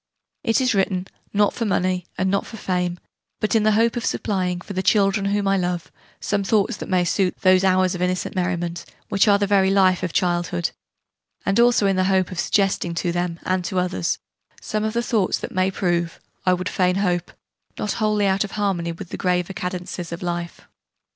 It is written, not for money, and not for fame, but in the hope of supplying, for the children whom I love, some thoughts that may suit those hours of innocent merriment which are the very life of Childhood; and also in the hope of suggesting, to them and to others, some thoughts that may prove, I would fain hope, not wholly out of harmony with the graver cadences of Life.